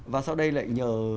và sau đây lại nhờ